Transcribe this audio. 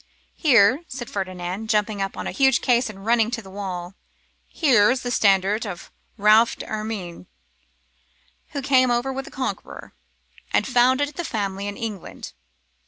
'Here,' said Ferdinand, jumping upon a huge case and running to the wall, 'here is the standard of Ralph d'Ermyn, who came over with the Conqueror, and founded the family in England.